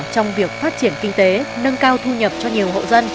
trong việc phát triển kinh tế nâng cao thu nhập cho nhiều hộ dân